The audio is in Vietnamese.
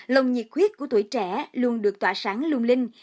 lòng nhiệt khuyết của tuổi trẻ luôn được tỏa sáng lung linh